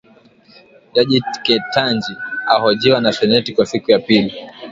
Jaji Ketanji ahojiwa na seneti kwa siku ya pili